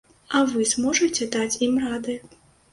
А вы зможаце даць ім рады?